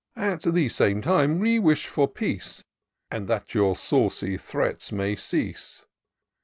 " At the same time we wish for peace. And that your saucy threats may cease.